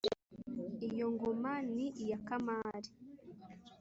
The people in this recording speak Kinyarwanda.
iyo ngoma ni iya kamali